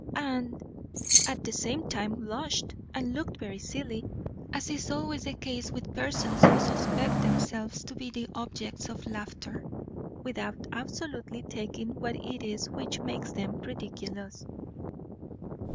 and at the same time blushed, and looked very silly, as is always the case with persons who suspect themselves to be the objects of laughter, without absolutely taking what it is which makes them ridiculous.